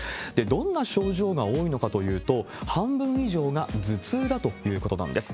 どんな症状が多いのかというと、半分以上が頭痛だということなんです。